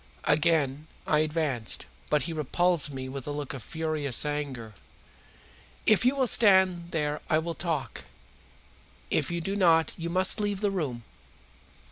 Again I advanced, but he repulsed me with a look of furious anger. "If you will stand there I will talk. If you do not you must leave the room."